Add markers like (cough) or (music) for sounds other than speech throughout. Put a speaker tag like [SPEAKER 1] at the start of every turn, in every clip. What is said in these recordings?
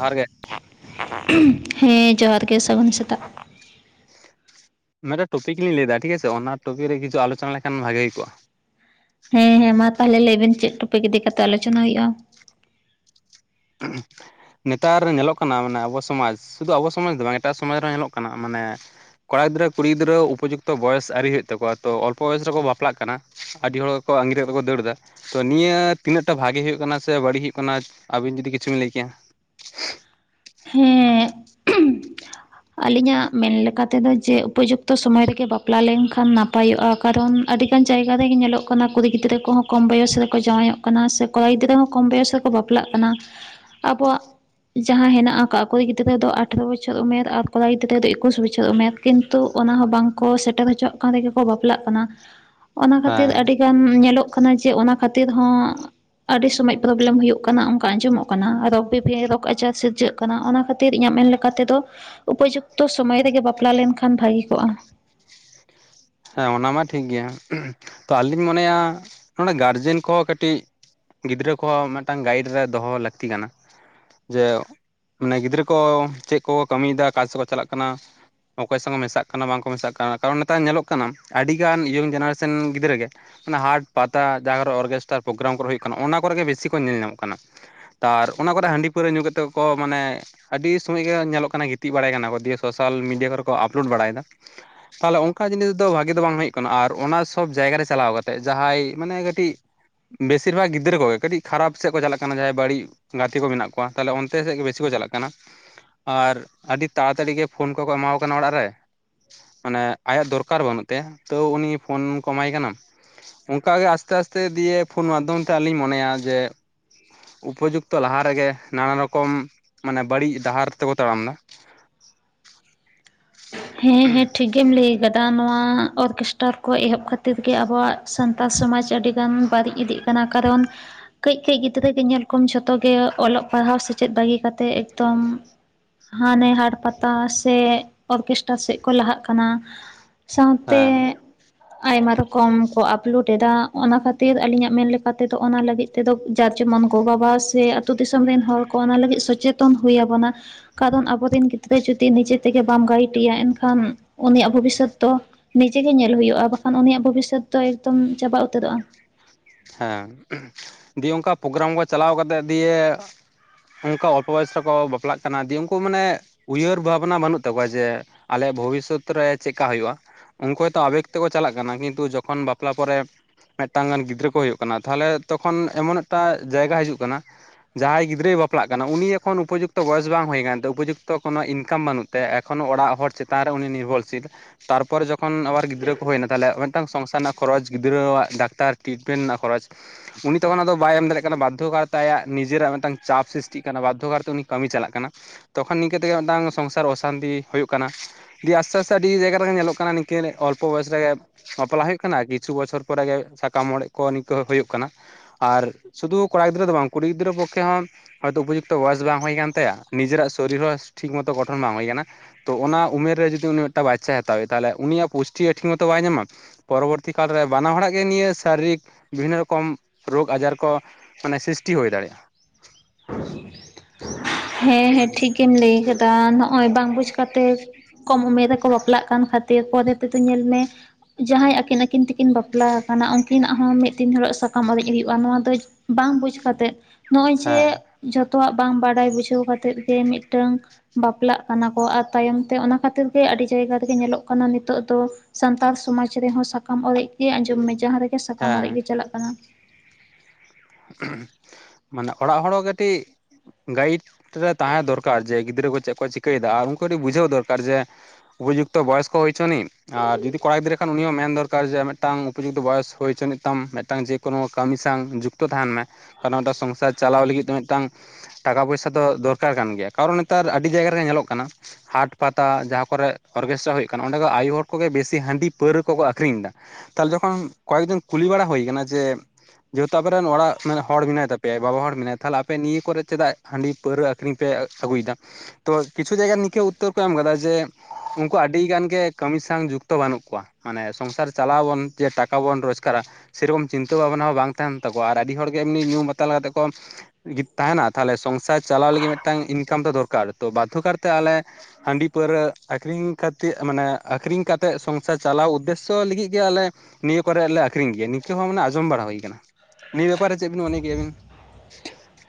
[SPEAKER 1] ᱡᱚᱦᱟᱨ ᱜᱮ
[SPEAKER 2] ᱦᱮᱸ ᱡᱚᱦᱟᱨ ᱜᱮ ᱥᱟᱹᱜᱩᱱ ᱥᱮᱛᱟᱜ
[SPEAKER 1] ᱢᱮᱫᱴᱮ ᱴᱚᱯᱤᱠ ᱞᱤᱧ ᱞᱟᱹᱭ ᱮᱫᱟ ᱴᱷᱤᱠ ᱟᱪᱷᱮ ᱚᱱᱟ ᱴᱚᱯᱤᱠ ᱨᱮ ᱠᱤᱪᱷᱩ ᱟᱞᱳᱪᱚᱱᱟ ᱞᱮᱠᱷᱟᱱ ᱵᱷᱟᱜᱤ ᱦᱩᱭ ᱠᱚᱜᱼᱟ
[SPEAKER 2] ᱦᱮᱸ ᱦᱮᱸ ᱢᱟ ᱛᱟᱞᱦᱮ ᱞᱟᱹᱭᱵᱮᱱ ᱪᱮᱫ ᱴᱚᱯᱤᱠ ᱤᱫᱤ ᱠᱟᱛᱮᱜ ᱟᱞᱳᱪᱚᱱᱟ ᱦᱩᱭᱩᱜᱼᱟ
[SPEAKER 1] (unintelligible) ᱱᱮᱛᱟᱨ ᱧᱮᱞᱚᱜ ᱠᱟᱱᱟ ᱢᱟᱱᱮ ᱟᱵᱚ ᱥᱚᱢᱟᱡᱽ ᱥᱩᱫᱩ ᱟᱵᱚ ᱥᱚᱢᱟᱡᱽ ᱫᱚ ᱵᱟᱝ ᱮᱴᱟᱜ ᱥᱚᱢᱟᱡᱽ ᱨᱮᱦᱚ ᱧᱮᱞᱚᱜ ᱠᱟᱱᱟ ᱢᱟᱱᱮ ᱠᱚᱲᱟ ᱜᱤᱫᱽᱨᱟᱹ ᱠᱩᱲᱤ ᱜᱤᱫᱽᱨᱟᱹ ᱩᱯᱚᱡᱩᱠᱛᱚ ᱵᱚᱭᱮᱥ ᱟᱹᱨᱤ ᱦᱳᱭᱳᱜ ᱛᱟᱠᱚᱣᱟ ᱛᱚ ᱚᱞᱯᱚ ᱵᱚᱭᱚᱥ ᱨᱮᱠᱚ ᱵᱟᱯᱞᱟᱜ ᱠᱟᱱᱟ ᱟᱹᱰᱤ ᱦᱚᱲ ᱜᱮᱠᱚ ᱟᱜᱤᱨ ᱠᱟᱛᱮᱜ ᱠᱚ ᱫᱟᱹᱲ ᱫᱟ ᱛᱚ ᱱᱤᱭᱟᱹ ᱛᱤᱱᱟᱹᱜ ᱴᱟ ᱵᱷᱟᱜᱮ ᱦᱳᱭᱳᱜ ᱠᱟᱱᱟ ᱥᱮ ᱵᱟᱹᱲᱤᱡ ᱦᱳᱭᱳᱜ ᱠᱟᱱᱟ ᱟᱹᱵᱤᱱ ᱡᱩᱫᱤ ᱠᱤᱪᱷᱩ ᱵᱤᱱ ᱞᱟᱹᱭ ᱠᱮᱭᱟ
[SPEAKER 2] ᱦᱮᱸ ᱟᱹᱞᱤᱧᱟᱜ ᱢᱮᱱ ᱞᱮᱠᱟᱛᱮᱫᱚ ᱡᱮ ᱩᱯᱚᱡᱩᱠᱛᱚ ᱥᱚᱢᱚᱭ ᱨᱮᱜᱮ ᱵᱟᱯᱞᱟ ᱞᱮᱱᱠᱷᱟᱱ ᱱᱟᱯᱟᱭᱚᱜᱼᱟ ᱠᱟᱨᱚᱱ ᱟᱹᱰᱤᱜᱟᱱ ᱡᱟᱭᱜᱟ ᱨᱮᱜᱮ ᱧᱮᱞᱚᱜ ᱠᱟᱱᱟ ᱠᱩᱲᱤ ᱜᱤᱫᱽᱨᱟᱹ ᱠᱚᱦᱚᱸ ᱠᱚᱢ ᱵᱚᱭᱮᱥ ᱨᱮᱠᱚ ᱡᱟᱶᱟᱭᱚᱜ ᱠᱟᱱᱟ ᱥᱮ ᱠᱚᱲᱟ ᱜᱤᱫᱽᱨᱟᱹ ᱦᱚᱸ ᱠᱚᱢ ᱵᱚᱭᱮᱥ ᱨᱮᱠᱚ ᱵᱟᱯᱞᱟᱜ ᱠᱟᱱᱟ ᱟᱵᱚᱣᱟᱜ ᱡᱟᱦᱟᱸ ᱦᱮᱱᱟᱜ ᱟᱠᱟᱜᱼᱟ ᱠᱩᱲᱤ ᱜᱤᱫᱽᱨᱟᱹ ᱫᱚ ᱟᱴᱷᱮᱨᱚ ᱵᱚᱪᱷᱚᱨ ᱩᱢᱮᱨ ᱟᱨ ᱠᱚᱲᱟ ᱜᱤᱫᱽᱨᱟᱹ ᱫᱚ ᱮᱠᱩᱥ ᱵᱚᱪᱷᱚᱨ ᱩᱢᱮᱨ ᱠᱤᱱᱛᱩ ᱚᱱᱟ ᱦᱚᱸ ᱵᱟᱝᱠᱚ ᱥᱮᱴᱮᱨ ᱦᱚᱪᱚᱣᱟᱜ ᱨᱮᱜᱮ ᱠᱚ ᱵᱟᱯᱞᱟᱜ ᱠᱟᱱᱟ ᱚᱱᱟ ᱠᱷᱟᱹᱛᱤᱨ
[SPEAKER 1] ᱦᱮᱸ
[SPEAKER 2] ᱟᱹᱰᱤᱜᱟᱱ ᱧᱮᱞᱚᱜ ᱠᱟᱱᱟ ᱡᱮ ᱚᱱᱟ ᱠᱷᱟᱹᱛᱤᱨ ᱦᱚᱸ ᱟᱹᱰᱤ ᱥᱳᱢᱳᱡ ᱯᱨᱚᱵᱽᱞᱮᱢ ᱦᱳᱭᱳᱜ ᱠᱟᱱᱟ ᱚᱱᱠᱟ ᱟᱸᱡᱚᱢᱚᱜ ᱠᱟᱱᱟ ᱨᱳᱜᱽ ᱵᱤᱵᱷᱤ ᱨᱳᱜᱽ ᱟᱡᱟᱨ ᱥᱤᱨᱡᱟᱹᱜ ᱠᱟᱱᱟ ᱚᱱᱟ ᱠᱷᱟᱹᱛᱤᱨ ᱤᱧᱟᱹᱜ ᱢᱮᱱ ᱞᱮᱠᱟ ᱛᱮᱫᱚ ᱩᱯᱚᱡᱩᱠᱛᱚ ᱥᱚᱢᱚᱭ ᱨᱮᱜᱮ ᱵᱟᱯᱞᱟ ᱞᱮᱱᱠᱷᱟᱱ ᱵᱷᱟᱜᱮ ᱠᱚᱜᱼᱟ
[SPEAKER 1] ᱦᱮᱸ ᱚᱱᱟ ᱢᱟ ᱴᱷᱤᱠ ᱜᱮᱭᱟ ᱛᱚ ᱟᱹᱞᱤᱧ ᱢᱚᱱᱮᱭᱟ ᱱᱚᱰᱮ ᱜᱟᱨᱡᱮᱱ ᱠᱚᱦᱚᱸ ᱠᱟᱹᱴᱤᱡ ᱜᱤᱫᱽᱨᱟᱹ ᱠᱚᱦᱚᱸ ᱢᱤᱫᱴᱟᱝ ᱜᱟᱭᱤᱰ ᱨᱮ ᱫᱚᱦᱚ ᱞᱟᱹᱠᱛᱤ ᱠᱟᱱᱟ᱾ ᱡᱮ ᱢᱟᱱᱮ ᱜᱤᱫᱽᱨᱟᱹ ᱠᱚ ᱪᱮᱫ ᱠᱚ ᱠᱟᱹᱢᱤᱭᱮᱫᱟ ᱠᱟᱡᱽ ᱠᱚ ᱪᱟᱞᱟᱜ ᱠᱟᱱᱟ᱾ ᱚᱠᱚᱭ ᱥᱟᱝ ᱠᱚ ᱢᱮᱥᱟᱜ ᱠᱟᱱᱟ ᱵᱟᱝᱠᱚ ᱢᱮᱥᱟᱜ ᱠᱟᱱᱟ ᱠᱟᱨᱚᱱ ᱱᱮᱛᱟᱨ ᱧᱮᱞᱚᱜ ᱠᱟᱱᱟ ᱟᱹᱰᱤᱜᱟᱱ ᱤᱭᱚᱝ ᱡᱮᱱᱟᱨᱮᱥᱮᱱ ᱜᱤᱫᱽᱨᱟᱹ ᱜᱮ ᱚᱱᱟ ᱦᱟᱴ ᱯᱟᱛᱟ ᱡᱟᱸᱦᱟᱸ ᱠᱚᱨᱮ ᱚᱨᱜᱮᱥᱴᱟᱨ ᱯᱨᱳᱜᱨᱟᱢ ᱠᱚᱨᱮ ᱦᱳᱭᱳᱜ ᱠᱟᱱᱟ ᱚᱱᱟ ᱠᱚᱨᱮ ᱜᱮ ᱵᱮᱥᱤ ᱠᱚ ᱧᱮᱞ ᱧᱟᱢᱚᱜ ᱠᱟᱱᱟ᱾ ᱛᱟᱨ ᱚᱱᱟ ᱠᱚᱨᱮᱜ ᱦᱟᱺᱰᱤ ᱯᱟᱹᱣᱨᱟᱹ ᱧᱩ ᱠᱟᱛᱮᱜ ᱠᱚ ᱢᱟᱱᱮ ᱟᱹᱰᱤ ᱥᱚᱢᱚᱭ ᱜᱮ ᱧᱮᱞᱚᱜ ᱠᱟᱱᱟ ᱜᱤᱛᱤᱡ ᱵᱟᱲᱟᱭ ᱠᱟᱱᱟ ᱠᱚ ᱫᱤᱭᱮ ᱥᱳᱥᱟᱞ ᱢᱤᱰᱤᱭᱟ ᱠᱚᱨᱮ ᱠᱚ ᱟᱯᱞᱳᱰ ᱵᱟᱲᱟᱭᱫᱟ᱾ ᱛᱟᱦᱚᱞᱮ ᱚᱱᱠᱟ ᱡᱤᱱᱤᱥ ᱫᱚ ᱵᱷᱟᱜᱮ ᱫᱚ ᱵᱟᱝ ᱦᱳᱭᱳᱜ ᱠᱟᱱᱟ ᱟᱨ ᱚᱱᱟ ᱥᱚᱵ ᱡᱟᱭᱜᱟ ᱨᱮ ᱪᱟᱞᱟᱣ ᱠᱟᱛᱮᱜ ᱡᱟᱸᱦᱟᱸᱭ ᱢᱟᱱᱮ ᱠᱟᱹᱴᱤᱡ ᱵᱮᱥᱤᱨ ᱵᱷᱟᱜᱽ ᱜᱤᱫᱽᱨᱟᱹ ᱠᱚᱜᱮ ᱠᱟᱹᱴᱤᱡ ᱠᱷᱟᱨᱟᱯ ᱥᱮᱜ ᱠᱚ ᱪᱟᱞᱟᱜ ᱠᱟᱱᱟ, ᱡᱟᱦᱟᱸᱭ ᱵᱟᱹᱲᱤᱡ ᱜᱟᱛᱮ ᱠᱚ ᱢᱮᱱᱟᱜ ᱠᱚᱣᱟ ᱛᱟᱦᱞᱮ ᱚᱱᱛᱮ ᱥᱮᱫ ᱜᱮ ᱵᱮᱥᱤ ᱠᱚ ᱪᱟᱞᱟᱜ ᱠᱟᱱᱟ᱾ ᱟᱨ ᱟᱹᱰᱤ ᱛᱟᱲᱟ ᱛᱟᱲᱤ ᱜᱮ ᱯᱷᱳᱱ ᱠᱚᱠᱚ ᱮᱢᱟ ᱠᱚ ᱠᱟᱱᱟ ᱚᱲᱟᱜ ᱨᱮ ᱢᱟᱱᱮ ᱟᱭᱟᱜ ᱫᱚᱨ ᱠᱟᱨ, ᱵᱟᱹᱱᱩᱜ ᱛᱟᱭᱟ, ᱛᱟᱹᱣ ᱩᱱᱤ ᱯᱷᱳᱱ ᱠᱚ ᱮᱢᱟᱭ ᱠᱟᱱᱟ᱾ ᱚᱱᱠᱟᱜᱮ ᱟᱥᱛᱮ ᱟᱥᱛᱮ ᱫᱤᱭᱮ ᱯᱷᱳᱱ ᱢᱟᱫᱽᱫᱷᱚᱢ ᱛᱮ ᱟᱹᱞᱤᱧ ᱢᱚᱱᱮᱭᱟ ᱡᱮ ᱩᱯᱚᱡᱩᱠᱛᱚ ᱞᱟᱦᱟ ᱨᱮᱜᱮ ᱱᱟᱱᱟ ᱨᱚᱠᱚᱢ ᱢᱟᱱᱮ ᱵᱟᱹᱲᱤᱡ ᱰᱟᱦᱟᱨ ᱛᱮᱠᱚ ᱛᱟᱲᱟᱢᱫᱟ᱾
[SPEAKER 2] ᱦᱮᱸ ᱦᱮᱸ ᱴᱷᱤᱠ ᱞᱟᱹᱭ ᱠᱟᱫᱟ ᱱᱚᱣᱟ ᱚᱨᱠᱮᱥᱴᱟᱨ ᱠᱚ ᱮᱦᱚᱵ ᱠᱷᱟᱹᱛᱤᱨ ᱜᱮ ᱟᱵᱚᱣᱟᱜ ᱥᱟᱱᱛᱟᱲ ᱥᱚᱢᱟᱡᱽ ᱟᱹᱰᱤ ᱜᱟᱱ ᱵᱟᱹᱲᱤᱡ ᱤᱫᱤᱜ ᱠᱟᱱᱟ ᱠᱟᱨᱚᱱ ᱠᱟᱹᱡ ᱠᱟᱹᱡ ᱜᱤᱫᱽᱨᱟᱹ ᱜᱮ ᱧᱮᱞ ᱠᱚᱢ ᱡᱷᱚᱛᱚ ᱜᱮ ᱚᱞᱚᱜ ᱯᱟᱲᱦᱟᱣ ᱥᱮᱪᱮᱫ ᱵᱟᱹᱜᱤ ᱠᱟᱛᱮ ᱮᱠᱫᱚᱢ ᱦᱟᱱᱮ ᱦᱟᱴ ᱯᱟᱛᱟ ᱥᱮ ᱚᱨᱜᱮᱥ ᱥᱮᱜ ᱠᱚ ᱞᱟᱦᱟᱜ ᱠᱟᱱᱟ ᱥᱟᱶᱛᱮ
[SPEAKER 1] ᱦᱮᱸ
[SPEAKER 2] ᱟᱭᱢᱟ ᱨᱚᱠᱚᱢ ᱠᱚ ᱟᱯᱞᱳᱰ ᱮᱫᱟ, ᱚᱱᱟ ᱠᱷᱟᱹᱛᱤᱨ ᱟᱹᱞᱤᱧᱟᱜ ᱢᱮᱱ ᱞᱮᱠᱟ ᱛᱮᱫᱚ ᱚᱱᱟ ᱞᱟᱹᱜᱤᱜ ᱛᱮᱫᱚ ᱡᱟᱨ ᱡᱮᱢᱚᱱ ᱜᱚ ᱵᱟᱵᱟ ᱥᱮ ᱟᱛᱳ ᱫᱤᱥᱚᱢ ᱨᱮᱱ ᱦᱚᱲ ᱠᱚ ᱚᱱᱟ ᱞᱟᱹᱜᱤᱜ ᱥᱚᱪᱮᱛᱚᱱ ᱦᱳᱭ ᱟᱵᱚᱱᱟ᱾ ᱠᱟᱨᱚᱱ ᱟᱵᱚᱨᱮᱱ ᱜᱤᱫᱽᱨᱟᱹ ᱡᱩᱫᱤ ᱱᱤᱡᱮ ᱛᱮᱜᱮ ᱵᱟᱢ ᱜᱟᱭᱤᱰ ᱮᱭᱟ ᱮᱱᱠᱷᱟᱱ ᱩᱱᱤᱭᱟᱜ ᱵᱷᱚᱵᱤᱥᱥᱚᱛ ᱫᱚ ᱱᱤᱡᱮ ᱜᱮ ᱧᱮᱞ ᱦᱳᱭᱳᱜᱼᱟ ᱾ᱵᱟᱠᱷᱟᱱ ᱩᱱᱤᱭᱟᱜ ᱵᱷᱚᱵᱤᱥᱥᱚᱛ ᱫᱚ ᱮᱠᱫᱚᱢ ᱪᱟᱵᱟ ᱩᱛᱟᱹᱨᱚᱜᱼᱟ᱾
[SPEAKER 1] ᱦᱮᱸ ᱫᱤᱭᱮ ᱚᱱᱠᱟ ᱯᱨᱳᱜᱨᱟᱢ ᱠᱚ ᱪᱟᱞᱟᱣ ᱠᱟᱛᱮᱜ ᱫᱤᱭᱮ ᱚᱱᱠᱟ ᱚᱞᱯᱚ ᱵᱚᱭᱮᱥ ᱨᱮᱠᱚ ᱵᱟᱯᱞᱟᱜ ᱠᱟᱱᱟ ᱫᱤᱭᱮ ᱩᱱᱠᱩ ᱢᱟᱱᱮ ᱩᱭᱦᱟᱹᱨ ᱵᱷᱟᱵᱱᱟ ᱵᱟᱹᱱᱩᱜ ᱛᱟᱠᱚᱣᱟ ᱡᱮ ᱟᱞᱮᱭᱟᱜ ᱵᱷᱚᱵᱤᱥᱥᱚᱛ ᱨᱮ ᱪᱮᱜᱠᱟ ᱦᱳᱭᱳᱜᱼᱟ᱾ ᱩᱱᱠᱩ ᱦᱚᱭᱛᱚ ᱟᱵᱜᱮᱠ ᱛᱮᱠᱚ ᱪᱟᱞᱟᱜ ᱠᱟᱱᱟ ᱠᱤᱱᱛᱩ ᱡᱚᱠᱷᱚᱱ ᱵᱟᱯᱞᱟ ᱯᱚᱨᱮ ᱢᱤᱫᱴᱟᱝ ᱜᱟᱱ ᱜᱤᱫᱽᱨᱟᱹ ᱠᱚ ᱦᱳᱭᱳᱜ ᱠᱟᱱᱟ ᱛᱟᱦᱚᱞᱮ ᱛᱚᱠᱷᱚᱱ ᱮᱢᱚᱱ ᱮᱠᱴᱟ ᱡᱟᱭᱜᱟ ᱦᱤᱡᱩᱜ ᱠᱟᱱᱟ᱾ ᱡᱟᱸᱦᱟᱸᱭ ᱜᱤᱫᱽᱨᱟᱹᱭ ᱵᱟᱯᱞᱟᱜ ᱠᱟᱱᱟ ᱩᱱᱤ ᱮᱠᱷᱚᱱ ᱩᱯᱚᱡᱩᱠᱛᱚ ᱵᱚᱭᱮᱥ ᱵᱟᱝ ᱦᱩᱭ ᱛᱟᱭᱟ ᱩᱯᱚᱡᱩᱠᱛᱚ ᱠᱳᱱᱳ ᱤᱱᱠᱟᱢ ᱵᱟᱹᱱᱩᱜ ᱛᱟᱭᱟ ᱛᱮ ᱮᱠᱷᱚᱱᱚ ᱚᱲᱟᱜ ᱦᱚᱲ ᱪᱮᱛᱟᱱ ᱨᱮ ᱩᱱᱤ ᱱᱤᱨᱵᱷᱚᱨᱥᱤᱞ᱾ ᱛᱟᱨᱯᱚᱨ ᱡᱚᱠᱷᱚᱱ ᱟᱵᱟᱨ ᱜᱤᱫᱽᱨᱟᱹ ᱠᱚ ᱦᱳᱭᱮᱱᱟ ᱛᱟᱞᱦᱮ ᱢᱤᱫᱴᱟᱝ ᱥᱚᱝᱥᱟᱨ ᱨᱮᱱᱟᱜ ᱠᱷᱚᱨᱚᱪ ᱜᱤᱫᱽᱨᱟᱹᱣᱟᱜ ᱰᱟᱠᱛᱟᱨ ᱴᱤᱴ ᱤᱯᱮᱱ ᱨᱮᱱᱟᱜ ᱠᱷᱚᱨᱚᱪ ᱩᱱᱤ ᱛᱚᱠᱷᱚᱱ ᱟᱫᱚ ᱵᱟᱭ ᱮᱢ ᱫᱟᱲᱮᱭᱟᱜ ᱠᱟᱱᱟ᱾ᱵᱟᱫᱽᱫᱷᱚᱠᱟᱨ ᱛᱮ ᱟᱭᱟᱜ ᱱᱤᱡᱮᱨᱟᱜ ᱢᱤᱫᱴᱟᱝ ᱪᱟᱯ ᱥᱨᱤᱥᱴᱤᱜ ᱠᱟᱱᱟ ᱵᱟᱫᱽᱫᱷᱚᱠᱟᱨ ᱛᱮ ᱩᱱᱤ ᱠᱟᱹᱢᱤ ᱪᱟᱞᱟᱜ ᱠᱟᱱᱟ᱾ ᱛᱚᱠᱷᱚᱱ ᱱᱤᱝᱠᱟᱹ ᱛᱮᱜᱮ ᱢᱤᱫᱴᱟᱝ ᱥᱚᱝᱥᱟᱨ ᱚᱥᱟᱱᱛᱤ ᱦᱩᱭᱩᱜ ᱠᱟᱱᱟ᱾ ᱫᱤᱭᱮ ᱟᱥᱛᱮ ᱟᱥᱛᱮ ᱟᱹᱰᱤ ᱡᱟᱭᱜᱟ ᱨᱮᱜᱮ ᱧᱮᱞᱚᱜ ᱠᱟᱱᱟ ᱱᱤᱝᱠᱟᱹ ᱚᱞᱯᱚ ᱵᱚᱭᱚᱥ ᱨᱮᱜᱮ ᱵᱟᱯᱞᱟ ᱦᱩᱭᱩᱜ ᱠᱟᱱᱟ ᱠᱤᱪᱷᱩ ᱵᱚᱪᱷᱚᱨ ᱯᱚᱨᱮᱜᱮ ᱥᱟᱠᱟᱢ ᱚᱲᱮᱡ ᱠᱚ ᱱᱤᱝᱠᱟᱹ ᱦᱩᱭᱩᱜ ᱠᱟᱱᱟ᱾ ᱟᱨ ᱥᱩᱫᱷᱩ ᱠᱚᱲᱟ ᱜᱤᱫᱽᱨᱟᱹ ᱫᱚ ᱵᱟᱝ ᱠᱩᱲᱤ ᱜᱤᱫᱽᱨᱟᱹ ᱯᱚᱠᱠᱷᱮ ᱦᱚᱸ ᱦᱚᱭᱛᱳ ᱩᱯᱚᱡᱩᱠᱛᱚ ᱵᱚᱭᱚᱥ ᱵᱟᱝ ᱦᱩᱭ ᱟᱠᱟᱱ ᱛᱟᱭᱟ, ᱱᱤᱡᱮᱨᱟᱜ ᱥᱚᱨᱤᱨ ᱦᱚᱸ ᱴᱷᱤᱠ ᱢᱚᱛᱚ ᱜᱚᱴᱷᱚᱱ ᱵᱟᱝ ᱦᱩᱭ ᱠᱟᱱᱟ᱾ ᱛᱚ ᱚᱱᱟ ᱩᱢᱮᱨ ᱨᱮ ᱡᱩᱫᱤ ᱩᱱᱤ ᱢᱤᱫᱴᱟᱱ ᱵᱟᱪᱪᱟᱭ ᱦᱟᱛᱟᱣ ᱮᱭᱟ, ᱛᱟᱦᱚᱞᱮ ᱩᱱᱤᱭᱟᱜ ᱯᱩᱥᱴᱤ ᱴᱷᱤᱠ ᱢᱚᱛᱚ ᱵᱟᱭ ᱧᱟᱢᱟ᱾ ᱯᱚᱨᱚᱵᱚᱨᱛᱤ ᱠᱟᱞᱨᱮ ᱵᱟᱱᱟ ᱦᱚᱲᱟᱜ ᱜᱮ ᱱᱤᱭᱟᱹ ᱥᱟᱨᱤᱨᱤᱠ ᱵᱤᱵᱷᱤᱱᱱᱚ ᱨᱚᱠᱚᱢ ᱨᱳᱜᱽ ᱟᱡᱟᱨ ᱠᱚ ᱢᱟᱱᱮ ᱥᱨᱤᱥᱴᱤ ᱦᱩᱭ ᱫᱟᱲᱮᱭᱟᱜᱼᱟ᱾
[SPEAKER 2] ᱦᱮᱸ ᱦᱮᱸ ᱴᱷᱤᱠᱮᱢ ᱞᱟᱹᱭ ᱟᱠᱟᱫᱟ ᱱᱚᱜᱼᱚᱭ ᱵᱟᱝ ᱵᱩᱡ ᱠᱟᱛᱮ ᱠᱚᱢ ᱩᱢᱮᱨ ᱨᱮᱠᱚ ᱵᱟᱯᱞᱟᱜ ᱠᱟᱱ ᱠᱷᱟᱹᱛᱤᱨ ᱯᱚᱨᱮ ᱛᱮᱫᱚ ᱧᱮᱞ ᱢᱮ ᱡᱟᱦᱟᱸᱭ ᱟᱹᱠᱤᱱ ᱟᱹᱠᱤᱱ ᱛᱮᱠᱤᱱ ᱵᱟᱯᱞᱟ ᱟᱠᱟᱱᱟ ᱩᱱᱠᱤᱱᱟᱜ ᱦᱚᱸ ᱢᱤᱫ ᱫᱤᱱ ᱦᱤᱞᱚᱜ ᱥᱟᱠᱟᱢ ᱚᱨᱮᱡ ᱦᱩᱭᱩᱜᱼᱟ ᱱᱚᱣᱟ ᱫᱚ ᱵᱟᱝ ᱵᱩᱡ ᱠᱟᱛᱮᱜ ᱱᱚᱜᱼᱚᱭ ᱡᱮ
[SPEAKER 1] ᱦᱮᱸ
[SPEAKER 2] ᱡᱷᱚᱛᱚᱣᱟᱜ ᱵᱟᱝ ᱵᱟᱰᱟᱭ ᱵᱩᱡᱷᱟᱹᱜ ᱫᱚ ᱠᱟᱛᱮᱫ ᱜᱮ ᱢᱤᱫᱴᱟᱹᱝ, ᱵᱟᱯᱞᱟᱜ ᱠᱟᱱᱟ ᱠᱚ ᱟᱨ ᱛᱟᱭᱚᱢ ᱛᱮ ᱚᱱᱟ ᱠᱷᱟᱹᱛᱤᱨ ᱜᱮ ᱟᱹᱰᱤ ᱡᱟᱭᱜᱟ ᱨᱮᱜᱮ ᱧᱮᱞᱚᱜ ᱠᱟᱱᱟ ᱱᱤᱛᱚᱜ ᱫᱚ, ᱥᱟᱱᱛᱟᱲ ᱥᱚᱢᱟᱡᱽ ᱨᱮᱦᱚᱸ ᱥᱟᱠᱟᱢ ᱚᱨᱮᱡ ᱜᱮ ᱟᱸᱡᱚᱢ ᱢᱮ ᱡᱟᱦᱟᱸ ᱨᱮᱜᱮ ᱥᱟᱠᱟᱢ ᱚᱨᱮᱡ
[SPEAKER 1] ᱦᱮᱸ
[SPEAKER 2] ᱜᱮ ᱪᱟᱞᱟᱜ ᱠᱟᱱᱟ,
[SPEAKER 1] ᱢᱟᱱᱮ ᱚᱲᱟᱜ ᱦᱚᱲ ᱦᱚᱸ ᱠᱟᱹᱴᱤᱡ, ᱜᱟᱭᱤᱰ ᱨᱮ ᱛᱟᱦᱮᱸ ᱫᱚᱨᱠᱟᱨ ᱡᱮ ᱜᱤᱫᱽᱨᱟᱹ ᱠᱚ ᱪᱮᱫ ᱠᱚ ᱪᱤᱠᱟᱹᱭᱮᱫᱟ ᱟᱨ ᱩᱱᱠᱩ ᱵᱩᱡᱷᱟᱹᱣ ᱫᱚᱨᱠᱟᱨ ᱡᱮ, ᱩᱯᱚᱡᱩᱠᱛ ᱵᱚᱭᱚᱥ ᱠᱚ ᱦᱩᱭ ᱪᱚᱱᱤᱡ, ᱟᱨ ᱡᱩᱫᱤ ᱠᱚᱲᱟ ᱜᱤᱫᱽᱨᱟᱹ ᱠᱷᱟᱱ ᱩᱱᱤ ᱦᱚᱸ ᱢᱮᱱ ᱫᱚᱨᱠᱟᱨ ᱡᱮ ᱢᱤᱫᱴᱟᱝ ᱩᱯᱚᱡᱩᱠᱛᱚ ᱵᱚᱭᱮᱥ ᱦᱩᱭ ᱦᱚᱪᱚ ᱱᱤᱜ ᱛᱟᱢ ᱢᱤᱫᱴᱟᱝ ᱡᱮ, ᱠᱳᱱᱳ ᱠᱟᱹᱢᱤ ᱥᱟᱶ ᱡᱩᱠᱛᱚ ᱛᱟᱦᱮᱱ ᱢᱮ ᱠᱟᱨᱚᱱ ᱢᱤᱫᱴᱟᱝ ᱥᱚᱝᱥᱟᱨ ᱪᱟᱞᱟᱣ ᱞᱟᱹᱜᱤᱫ ᱛᱮ ᱢᱤᱫᱴᱟᱝ, ᱴᱟᱠᱟ ᱯᱚᱭᱥᱟ ᱫᱚ ᱫᱚᱨᱠᱟᱨ ᱠᱟᱱ ᱜᱮᱭᱟ ᱠᱟᱨᱚᱱ ᱱᱮᱛᱟᱨ ᱟᱹᱰᱤ ᱡᱟᱭᱜᱟ ᱨᱮᱜᱮ ᱧᱮᱞᱚᱜ ᱠᱟᱱᱟ, ᱦᱟᱴ ᱯᱟᱛᱟ ᱡᱟᱦᱟᱸ ᱠᱚᱨᱮᱜ ᱚᱨᱜᱮᱥᱴᱨᱟ ᱦᱩᱭᱩᱜ ᱠᱟᱱᱟ ᱚᱸᱰᱮ ᱫᱚ ᱟᱭᱩ ᱦᱚᱲ ᱠᱚᱜᱮ ᱵᱮᱥᱤ ᱦᱟᱺᱰᱤ ᱯᱟᱹᱣᱨᱟᱹ ᱠᱚᱠᱚ ᱟᱠᱷᱨᱤᱧ ᱮᱫᱟ, ᱛᱟᱦᱚᱞᱮ ᱡᱚᱠᱷᱚᱱ ᱠᱚᱭᱮᱠ ᱡᱚᱱ ᱠᱩᱞᱤ ᱵᱟᱲᱟ ᱦᱩᱭ ᱠᱟᱱᱟ ᱡᱮ ᱡᱮᱦᱮᱛᱩ, ᱟᱯᱮ ᱨᱮᱱ ᱚᱲᱟᱜ ᱨᱮᱱ ᱦᱚᱲ ᱢᱮᱱᱟᱭ ᱛᱟᱯᱮᱭᱟᱭ ᱵᱟᱵᱟ ᱦᱚᱲ ᱢᱮᱱᱟᱭᱟ ᱛᱟᱦᱞᱮ ᱟᱯᱮ ᱱᱤᱭᱟᱹ ᱠᱚᱨᱮ ᱪᱮᱫᱟᱜ ᱦᱟᱺᱰᱤ ᱯᱟᱹᱣᱨᱟᱹ ᱟᱹᱷᱨᱤᱧ ᱯᱮ ᱟᱹᱜᱩᱭᱮᱫᱟ, ᱛᱚ ᱠᱤᱪᱷᱩ ᱡᱟᱭᱜᱟ ᱨᱮ ᱱᱤᱝᱠᱮ ᱩᱛᱛᱚᱨ ᱠᱚ ᱮᱢ ᱠᱟᱫᱟ ᱡᱮ, ᱩᱱᱠᱩ ᱟᱹᱰᱤ ᱜᱟᱱ ᱜᱮ ᱠᱟᱹᱢᱤ ᱥᱟᱶ ᱡᱩᱠᱛᱚ ᱵᱟᱹᱱᱩᱜ ᱠᱚᱣᱟ, ᱢᱟᱱᱮ ᱥᱚᱝᱥᱟᱨ ᱪᱟᱞᱟᱣᱵᱚᱱ ᱡᱮ ᱴᱟᱠᱟ ᱵᱚᱱ ᱨᱳᱡᱽᱜᱟᱨᱟ ᱥᱮᱨᱚᱠᱚᱢ ᱪᱤᱱᱛᱟᱹ ᱵᱷᱟᱵᱱᱟ ᱦᱚᱸ ᱵᱟᱝ ᱛᱟᱦᱮᱱ, ᱛᱟᱠᱚᱣᱟ ᱟᱨ ᱟᱹᱰᱤ ᱦᱚᱲᱜᱮ ᱮᱢᱱᱤ ᱧᱩ ᱵᱟᱛᱟᱞ ᱠᱟᱛᱮ ᱠᱚ, ᱛᱟᱦᱮᱱᱟ ᱛᱟᱦᱞᱮ ᱥᱚᱝᱥᱟᱨ ᱪᱟᱞᱟᱣ ᱞᱟᱹᱜᱤᱫ ᱢᱤᱫᱴᱟᱝ ᱤᱱᱠᱟᱢ ᱫᱚ ᱫᱚᱨᱠᱟᱨ ᱛᱚ ᱵᱟᱫᱽᱫᱷᱚ ᱠᱟᱨᱛᱮ ᱟᱞᱮ, ᱦᱟᱺᱰᱤ ᱯᱟᱹᱣᱨᱟᱹ ᱟᱹᱠᱷᱨᱤᱧ ᱠᱟᱛᱮᱫ ᱢᱟᱱᱮ ᱟᱠᱷᱨᱤᱧ ᱠᱟᱛᱮᱫ ᱥᱚᱝᱥᱟᱨ ᱪᱟᱞᱟᱣ ᱩᱫᱽᱫᱮᱥᱥᱚ ᱞᱟᱹᱜᱤᱫ ᱜᱮ ᱟᱞᱮ, ᱱᱤᱭᱟᱹ ᱠᱚᱨᱮ ᱞᱮ ᱟᱠᱷᱨᱤᱧ ᱜᱮᱭᱟ ᱱᱤᱝᱟᱹ ᱦᱚᱸ ᱢᱟᱱᱮ ᱟᱸᱚᱢ ᱵᱟᱲᱟ ᱦᱩᱭ ᱟᱠᱟᱱᱟ, ᱱᱤᱭᱟᱹ ᱵᱮᱯᱟᱨ ᱨᱮ ᱪᱮᱫ ᱵᱤᱱ ᱢᱚᱱᱮ ᱜᱮᱭᱟ ᱟᱹᱵᱤᱱ